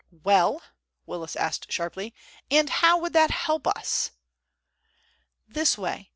"Well," Willis asked sharply, "and how would that help us?" "This way.